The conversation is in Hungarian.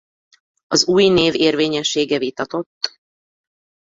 Az új név érvényessége vitatott.